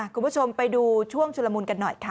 คุณผู้ชมไปดูช่วงชุลมุนกันหน่อยค่ะ